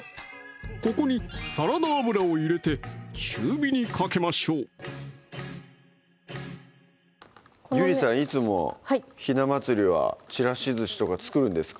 ここにサラダ油を入れて中火にかけましょうゆりさんいつもひな祭りはちらしずしとか作るんですか？